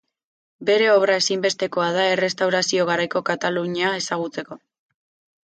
Bere obra ezinbestekoa da Errestaurazio-garaiko Katalunia ezagutzeko.